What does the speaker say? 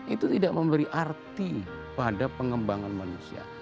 itu tidak memberi arti pada pengembangan manusia